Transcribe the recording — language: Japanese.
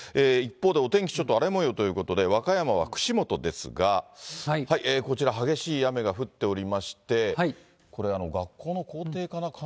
一方でお天気、ちょっと荒れもようということで、和歌山は串本ですが、こちら激しい雨が降っておりまして、これ、学校の校庭かな？